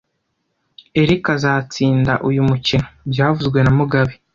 Eric azatsinda uyu mukino byavuzwe na mugabe